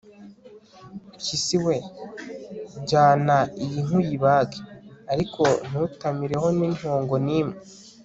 mpyisi we, jyana iyi nka uyibage, ariko ntutamireho n'intongo n'imwe